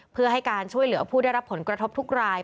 เพื่อให้การช่วยเหลือผู้ได้รับผลกระทบทุกราย